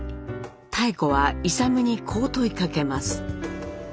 妙子は勇にこう問いかけます。